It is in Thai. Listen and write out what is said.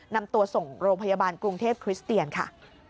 นำตัวส่งโรงพยาบาลกรุงเทพคริสเตียนค่ะ